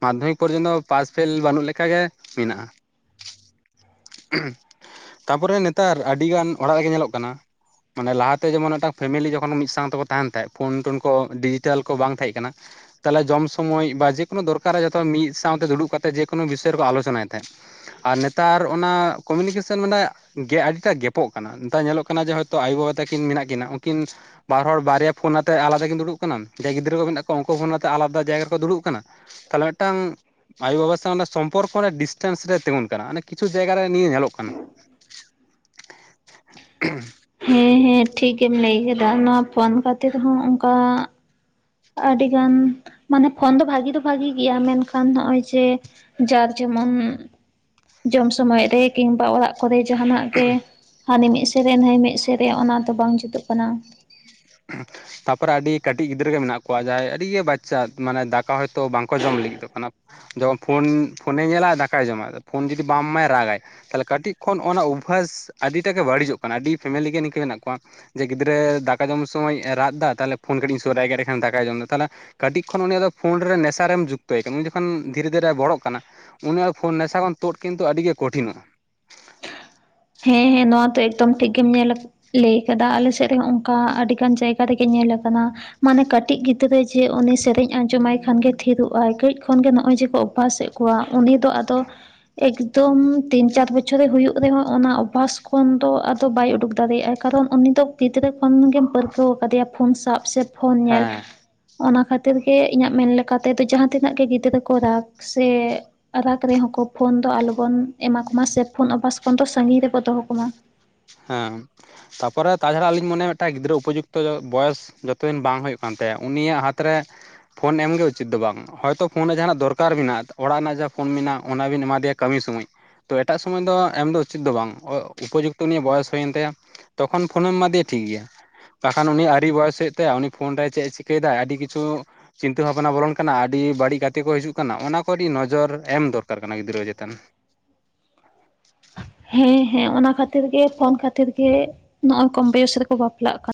[SPEAKER 1] ᱢᱟᱫᱽᱫᱷᱚᱢᱤᱠ ᱯᱚᱨᱡᱚᱱᱛᱚ ᱯᱟᱥ ᱯᱷᱮᱞ ᱵᱟᱱᱩᱜ ᱞᱮᱠᱟᱜ ᱜᱮ ᱢᱮᱱᱟᱜᱼᱟ᱾ (inaudible) ᱛᱟᱯᱚᱨᱮ ᱱᱮᱛᱟᱨ ᱟᱰᱤ ᱜᱟᱱ ᱚᱲᱟᱜ ᱨᱮᱜᱮ ᱧᱮᱞᱚᱜ ᱠᱟᱱᱟ, ᱢᱟᱱᱮ ᱞᱟᱦᱟᱛᱮ ᱡᱮᱢᱚᱱ ᱢᱤᱫᱴᱟᱝ ᱯᱷᱮᱢᱮᱞᱤ ᱡᱚᱠᱷᱚᱱ ᱢᱤᱫ ᱥᱟᱶ ᱛᱮᱠᱚ ᱛᱟᱦᱮᱸᱱ ᱛᱟᱦᱮᱸᱡ, ᱯᱷᱳᱱ ᱴᱩᱱ ᱠᱚ ᱰᱤᱡᱤᱴᱮᱞ ᱠᱚ ᱵᱟᱝ ᱛᱟᱦᱮᱸᱡ ᱠᱟᱱᱟ, ᱛᱟᱦᱚᱞᱮ ᱡᱚᱢ ᱥᱚᱢᱚᱭ ᱵᱟ, ᱡᱮᱠᱳᱱᱳ ᱛᱟᱦᱚᱞᱮ ᱡᱚᱢ ᱥᱚᱢᱚᱡ ᱵᱟ ᱡᱮ ᱠᱳᱱᱳ ᱫᱚᱨᱠᱟᱨ ᱨᱮ ᱡᱚᱛᱚ ᱢᱤᱫ ᱥᱟᱶᱛᱮ ᱫᱩᱲᱩᱵ ᱠᱟᱛᱮᱜ ᱡᱮ ᱠᱳᱱᱳ ᱵᱤᱥᱚᱭ ᱨᱮᱠᱚ ᱟᱞᱳᱪᱚᱱᱟᱭ ᱛᱟᱦᱮᱸᱜ᱾ ᱟᱨ ᱱᱮᱛᱟᱨ ᱚᱱᱟ ᱠᱚᱢᱤᱱᱤᱠᱮᱥᱮᱱ ᱢᱟᱱᱮ ᱜᱮ ᱟᱹᱰᱤ ᱴᱟᱜ ᱜᱮᱯᱚᱜ ᱠᱟᱱᱟ᱾ ᱱᱮᱛᱟᱨ ᱧᱮᱞᱚᱜ ᱠᱟᱱᱟ ᱡᱮ ᱦᱚᱭᱛᱚ ᱟᱭᱳ ᱵᱟᱵᱟ ᱛᱟᱠᱤᱱ ᱢᱮᱱᱟᱜ ᱠᱤᱱᱟ ᱩᱝᱠᱤᱱ ᱵᱟᱨ ᱦᱚᱲ ᱵᱟᱨᱭᱟ ᱯᱷᱳᱱ ᱟᱛᱮᱜ ᱟᱞᱟᱫᱟ ᱠᱤᱱ ᱫᱩᱲᱩᱵ ᱠᱟᱱᱟ᱾ ᱡᱟᱦᱟᱭ ᱵᱟᱨ ᱦᱚᱲ ᱵᱟᱨᱮᱭᱟ ᱯᱷᱳᱱ ᱟᱛᱮᱜ ᱟᱠᱟᱫᱟ ᱠᱤᱱ ᱫᱩᱲᱩᱵ ᱠᱟᱱᱟ, ᱡᱮ ᱜᱤᱫᱽᱨᱟᱹ ᱠᱚ ᱢᱮᱱᱟᱜ ᱠᱚᱣᱟ ᱩᱱᱠᱩ ᱦᱚᱸ ᱯᱷᱳᱱ ᱟᱛᱮ ᱟᱞᱟᱫᱟ ᱡᱟᱭᱜᱟ ᱨᱮᱠᱚ ᱫᱩᱲᱩᱵ ᱠᱟᱱᱟ᱾ ᱛᱟᱦᱚᱞᱮ ᱢᱮᱫᱴᱟᱝ ᱟᱭᱳ ᱵᱟᱵᱟ ᱥᱟᱶ ᱚᱱᱟ ᱥᱚᱢᱯᱚᱨᱠᱚ ᱨᱮ ᱰᱤᱥᱴᱮᱱᱥ ᱨᱮ ᱛᱤᱸᱜᱩᱱ ᱠᱟᱱᱟ, ᱢᱟᱱᱮ ᱠᱤᱪᱷᱩ ᱡᱟᱭᱜᱟ ᱨᱮ ᱱᱤᱭᱟᱹ ᱧᱮᱞᱚᱜ ᱠᱟᱱᱟ᱾ (inaudible)
[SPEAKER 2] ᱦᱮᱸ ᱦᱮᱸ ᱴᱷᱤᱠ ᱮᱢ ᱞᱟᱹᱭ ᱠᱮᱫᱟ, ᱚᱱᱟ ᱯᱷᱳᱱ ᱠᱷᱟᱛᱤᱨ ᱦᱚᱸ ᱚᱝᱠᱟ ᱟᱹᱰᱤ ᱜᱟᱱ ᱢᱟᱱᱮ ᱯᱷᱳᱱ ᱫᱚ ᱵᱷᱟᱜᱮ ᱫᱚ ᱵᱷᱟᱜᱤ ᱜᱮᱭᱟ ᱢᱮᱱᱠᱷᱟᱱ ᱱᱚᱜᱼᱚᱭ ᱡᱮ ᱡᱟᱨ ᱡᱮᱢᱚᱱ, ᱡᱚᱢ ᱥᱚᱢᱚᱭ ᱨᱮ ᱠᱤᱱᱵᱟ ᱚᱲᱟᱜ ᱠᱚᱨᱮ ᱡᱟᱦᱟᱸᱱᱟᱜ ᱜᱮ, ᱦᱟᱱᱤ ᱢᱤᱫ ᱥᱮᱫ ᱨᱮ ᱱᱟᱹᱭ ᱢᱤᱫ ᱥᱮᱫ ᱨᱮ ᱚᱱᱟ ᱫᱚ ᱵᱟᱝ ᱡᱩᱛᱩᱜ ᱠᱟᱱᱟ᱾
[SPEAKER 1] (inaudible) ᱛᱟᱨᱯᱚᱨᱮ ᱟᱹᱰᱤ ᱠᱟᱹᱴᱤᱡ ᱜᱤᱫᱽᱨᱟᱹ ᱜᱮ ᱢᱮᱱᱟᱜ ᱠᱚᱣᱟ, ᱡᱟᱦᱟᱸᱭ ᱟᱹᱰᱤ ᱜᱮ ᱵᱟᱪᱪᱟᱜ ᱢᱟᱱᱮ ᱫᱟᱠᱟ ᱦᱚᱭᱛᱳ ᱵᱟᱝ ᱠᱚ ᱡᱚᱢ ᱞᱟᱹᱜᱤᱫᱚᱜ ᱠᱟᱱᱟ, ᱡᱮᱢᱚᱱ ᱯᱷᱳᱱ, ᱯᱷᱳᱱᱮ ᱧᱮᱞᱟᱭ ᱟᱨ ᱫᱟᱠᱟᱭ ᱡᱚᱢᱟ ᱟᱫᱟ ᱯᱷᱳᱱ ᱡᱩᱫᱤ ᱵᱟᱢ ᱮᱢᱟᱭᱟ ᱨᱟᱜᱟᱭ᱾ ᱛᱟᱦᱚᱞᱮ ᱠᱟᱹᱴᱤᱡ ᱠᱷᱚᱱ ᱚᱱᱟ ᱚᱵᱷᱟᱥ ᱟᱹᱰᱤ ᱴᱟᱜ ᱜᱮ ᱵᱟᱲᱤᱡᱚᱜ ᱠᱟᱱᱟ, ᱟᱹᱰᱤ ᱯᱷᱮᱢᱮᱞᱤ ᱜᱮ ᱱᱤᱝᱠᱟᱹ ᱢᱮᱱᱟᱜ ᱠᱚᱣᱟ᱾ ᱡᱮ ᱜᱤᱫᱽᱨᱟᱹ ᱫᱟᱠᱟ ᱡᱚᱢ ᱥᱚᱢᱚᱭ ᱨᱟᱜᱫᱟ ᱛᱟᱦᱚᱞᱮ ᱯᱷᱳᱱ ᱠᱟᱹᱴᱤᱡ ᱤᱧ ᱥᱳᱨᱟᱭ ᱜᱮ ᱮᱰᱸᱮ ᱠᱷᱟᱱ ᱫᱟᱠᱟᱭ ᱡᱚᱢ ᱮᱫᱟ, ᱛᱟᱦᱚᱞᱮ ᱠᱟᱹᱴᱤᱡ ᱠᱷᱚᱱ ᱩᱱᱤᱭᱟᱜ ᱫᱚ ᱯᱷᱳᱱ ᱨᱮ ᱱᱮᱥᱟ ᱨᱮᱢ ᱡᱩᱠᱛᱚᱭ ᱠᱟᱱᱟ, ᱩᱱᱤ ᱡᱚᱠᱷᱚᱱ ᱫᱷᱤᱨᱮ ᱫᱷᱤᱨᱮ ᱵᱚᱲᱚᱜ ᱠᱟᱱᱟ᱾ ᱩᱱᱤᱭᱟᱜ ᱯᱷᱳᱱ ᱱᱮᱥᱟ ᱠᱷᱚᱱ ᱛᱳᱫ ᱠᱤᱱᱛᱩ ᱟᱹᱰᱤ ᱜᱮ ᱠᱚᱴᱷᱤᱱᱚᱜᱼᱟ᱾
[SPEAKER 2] ᱦᱮᱸ ᱦᱮᱸ ᱱᱚᱣᱟ ᱫᱚ ᱮᱠᱫᱚᱢ ᱴᱷᱤᱠ ᱜᱮᱢ ᱧᱮᱞ ᱞᱟᱹᱭ ᱟᱠᱟᱫᱟ, ᱟᱞᱮ ᱥᱮᱫ ᱨᱮᱦᱚᱸ ᱚᱝᱠᱟ ᱟᱹᱰᱤᱜᱟᱱ ᱡᱟᱭᱜᱟ ᱨᱮᱜᱮ ᱧᱮᱞ ᱟᱠᱟᱱᱟ, ᱢᱟᱱᱮ ᱠᱟᱹᱴᱤᱡ ᱜᱤᱫᱽᱨᱟᱹ ᱡᱮ ᱩᱱᱤ ᱥᱮᱨᱮᱧ ᱟᱸᱡᱚᱢᱟᱭ ᱠᱷᱟᱱ ᱜᱮ ᱛᱷᱤᱨᱚᱜᱼᱟᱭ, ᱠᱟᱹᱡ ᱠᱷᱚᱱ ᱜᱮ ᱱᱚᱜᱼᱚᱭ ᱡᱮ ᱠᱚ ᱚᱵᱷᱟᱥ ᱮᱜ ᱠᱚᱣᱟ, ᱩᱱᱤ ᱫᱚ ᱟᱫᱚ ᱮᱠᱫᱚᱢ ᱛᱤᱱ ᱪᱟᱨ ᱵᱚᱪᱷᱚᱨᱮ ᱦᱩᱭᱩᱜ ᱨᱮᱦᱚᱸ ᱚᱱᱟ ᱚᱵᱷᱟᱥ ᱠᱷᱚᱱ ᱫᱚ ᱟᱫᱚ ᱵᱟᱭ ᱩᱰᱩᱠ ᱫᱟᱲᱮᱭᱟᱜᱼᱟᱭ, ᱠᱟᱨᱚᱱ ᱩᱱᱤ ᱫᱚ ᱜᱤᱫᱽᱨᱟᱹ ᱠᱷᱚᱱ ᱜᱮᱢ ᱯᱟᱹᱨᱠᱟᱹᱣ ᱟᱠᱟᱫᱮᱭᱟ ᱯᱷᱩᱱ ᱥᱟᱵ ᱥᱮ ᱯᱷᱳᱱ ᱧᱮᱞ᱾
[SPEAKER 1] ᱦᱮᱸ
[SPEAKER 2] ᱚᱱᱟ ᱠᱷᱟᱹᱛᱤᱨ ᱜᱮ ᱤᱧᱟᱹᱜ ᱢᱮᱱ ᱞᱮᱠᱟ ᱛᱮᱫᱚ ᱡᱟᱦᱟᱸ ᱛᱤᱱᱟᱹᱜ ᱜᱮ ᱜᱤᱫᱽᱨᱟᱹ ᱠᱚ ᱨᱟᱜᱽ ᱥᱮ ᱨᱟᱜᱽ ᱨᱮᱦᱚᱸ ᱠᱚ ᱯᱷᱳᱱ ᱫᱚ ᱟᱞᱚ ᱵᱚᱱ ᱮᱢᱟ ᱠᱚᱢᱟ, ᱥᱮ ᱯᱷᱳᱱ ᱚᱵᱷᱟᱥ ᱠᱷᱚᱱ ᱫᱚ ᱥᱟᱺᱜᱤᱧ ᱨᱮᱵᱚ ᱫᱚᱦᱚ ᱠᱚᱢᱟ᱾
[SPEAKER 1] ᱦᱮᱸ, ᱛᱟᱯᱚᱨᱮ ᱛᱟᱪᱷᱟᱲᱟ ᱟᱞᱤᱧ ᱢᱚᱱᱮᱭᱟ ᱢᱤᱫᱴᱟᱝ ᱜᱤᱫᱽᱨᱟᱹ ᱩᱯᱚᱡᱩᱠᱛᱚ ᱵᱚᱭᱚᱥ ᱡᱚᱛᱚ ᱫᱤᱱ ᱵᱟᱝ ᱦᱳᱭᱳᱜ ᱠᱟᱱ ᱛᱟᱭᱟ ᱩᱱᱤᱭᱟᱜ ᱦᱟᱛᱨᱮ, ᱯᱷᱳᱱ ᱮᱢᱜᱮ ᱩᱪᱤᱛ ᱫᱚ ᱵᱟᱝ᱾ ᱦᱳᱭᱛᱳ ᱯᱷᱳᱱ ᱨᱮ ᱡᱟᱦᱟᱸᱱᱟᱜ ᱫᱚᱨᱠᱟᱨ ᱢᱮᱱᱟᱜ-ᱟ, ᱚᱲᱟᱜ ᱨᱮᱱᱟᱜ ᱡᱟᱦᱟᱸ ᱯᱷᱳᱱ ᱢᱮᱱᱟᱜ ᱚᱱᱟ ᱵᱤᱱ ᱮᱢᱟ ᱫᱮᱭᱟ ᱠᱟᱹᱢᱤ ᱥᱳᱢᱚᱭ᱾ ᱛᱚ ᱮᱴᱟᱜ ᱥᱚᱢᱚᱭ ᱫᱚ ᱮᱢ ᱫᱚ ᱩᱪᱤᱛ ᱫᱚ ᱵᱟᱝ ᱩᱯᱚᱡᱩᱠ ᱛᱚ ᱩᱱᱤᱭᱟᱜ ᱵᱚᱭᱮᱥ ᱦᱩᱭᱮᱱ ᱛᱟᱭᱟ, ᱛᱚᱠᱷᱚᱱ ᱯᱷᱳᱱᱮᱢ ᱮᱢᱟᱫᱮᱭᱟ ᱴᱷᱤᱠ ᱜᱮᱭᱟ᱾ ᱵᱟᱠᱷᱟᱱ ᱩᱱᱤ ᱟᱹᱨᱤ ᱵᱚᱭᱮᱥ ᱦᱩᱭᱩᱜ ᱛᱟᱭ, ᱩᱱᱤ ᱯᱷᱳᱱ ᱨᱮ ᱪᱮᱫ ᱮ ᱪᱤᱠᱟᱹᱭᱮᱫᱟᱭ ᱟᱹᱰᱤ ᱠᱤᱪᱷᱩ ᱪᱤᱱᱛᱟᱹ ᱵᱷᱟᱵᱱᱟ ᱵᱚᱞᱚᱱ ᱠᱟᱱᱟ, ᱟᱰᱤ ᱵᱟᱹᱲᱤᱡ ᱜᱟᱛᱮ ᱠᱚ ᱦᱤᱡᱩᱜ ᱠᱟᱱᱟ, ᱚᱱᱟ ᱠᱚ ᱟᱰᱤ ᱱᱚᱡᱚᱨ ᱮᱢ ᱫᱚᱨᱠᱟᱨ ᱠᱟᱱᱟ ᱜᱤᱫᱽᱨᱟᱹ ᱪᱮᱛᱟᱱ᱾
[SPEAKER 2] ᱦᱮᱸ ᱦᱮᱸ ᱚᱱᱟ ᱠᱷᱟᱹᱛᱤᱨ ᱜᱮ ᱯᱷᱳᱱ ᱠᱷᱟᱹᱛᱤᱨ ᱜᱮ ᱱᱚᱜ-ᱚᱭ ᱠᱚᱢ ᱵᱚᱭᱮᱥ ᱨᱮᱠᱚ ᱵᱟᱯᱞᱟᱜ ᱠᱟᱱᱟ᱾